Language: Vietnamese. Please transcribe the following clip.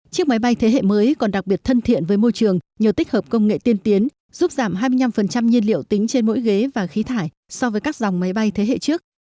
chiếc máy bay thế hệ mới còn đặc biệt thân thiện với môi trường nhờ tích hợp công nghệ tiên tiến giúp giảm hai mươi năm nhiên liệu tính trên mỗi ghế và khí thải so với các dòng máy bay thế hệ trước